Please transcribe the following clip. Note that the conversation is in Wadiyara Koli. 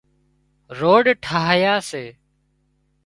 روڊ ٺاهيا سي